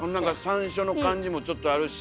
山椒の感じもちょっとあるし。